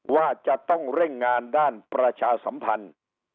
ว่าจะต้องเร่งงานด้านประชาสัมพันธ์